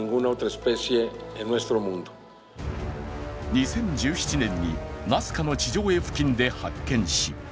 ２０１７年にナスカの地上絵付近で発見し